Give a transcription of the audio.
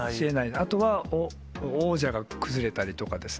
あとは、王者が崩れたりとかですね、